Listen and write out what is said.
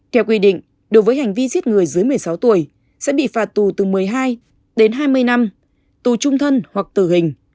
theo quy định đối với hành vi giết người dưới một mươi sáu tuổi sẽ bị phạt tù từ một mươi hai đến hai mươi năm tù trung thân hoặc tử hình